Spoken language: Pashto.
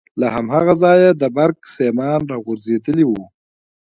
له هماغه ځايه د برق سيمان راغځېدلي وو.